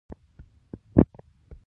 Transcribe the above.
نکاح نیم ایمان دی.